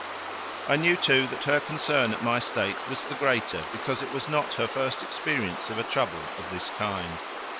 I knew, too, that her concern at my state was the greater because it was not her first experience of a trouble of this kind.